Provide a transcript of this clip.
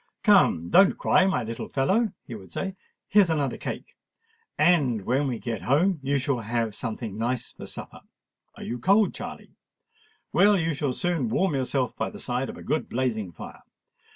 "Come, don't cry, my dear little fellow," he would say: "here is another cake—and when we get home you shall have something nice for supper. Are you cold, Charley? Well, you shall soon warm yourself by the side of a good blazing fire.